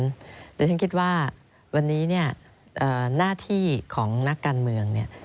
เดี๋ยวฉันคิดว่าวันนี้เนี่ยหน้าที่ของนักการเมืองเนี่ย